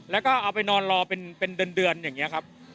แล้วก็เอาไปนอนรอเป็นเดือนอย่างนี้ครับ